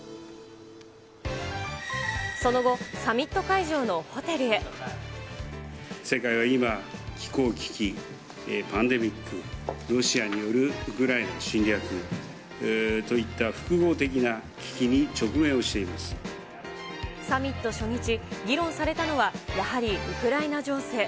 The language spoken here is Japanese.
その後、世界は今、気候危機、パンデミック、ロシアによるウクライナ侵略といった、複合的な危機に直面をしてサミット初日、議論されたのは、やはりウクライナ情勢。